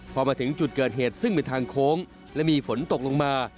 พอมาถึงจุดเกิดเหตุซึ่งเป็นทางโค้งและมีฝนตกลงมา